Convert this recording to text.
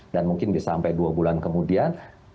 dan mungkin bisa sampai dua bulan kemudian